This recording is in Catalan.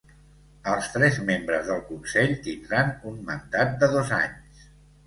Els tres membres del Consell tindran un mandat de dos anys.